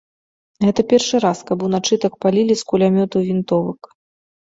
Гэта першы раз, каб уначы так палілі з кулямётаў і вінтовак.